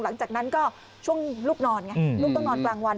หลังจากนั้นก็ช่วงลูกนอนไงลูกต้องนอนกลางวัน